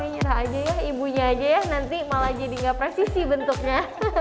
nyerah aja ya ibunya aja ya nanti malah jadi nggak presisi bentuknya